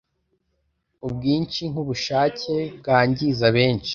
ubwinshi, nkubushake, bwangiza benshi